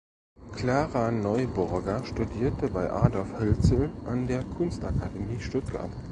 Klara Neuburger studierte bei Adolf Hölzel an der Kunstakademie Stuttgart.